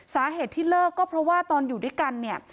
สาเหตุที่เลิกก็เพราะว่าตอนอยู่ด้วยกันเนี่ย